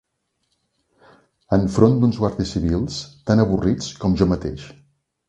Enfront d'uns guàrdies civils tan avorrits com jo mateix